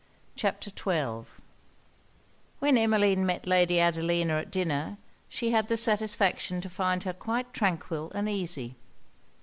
CHAPTER XII When Emmeline met Lady Adelina at dinner, she had the satisfaction to find her quite tranquil and easy.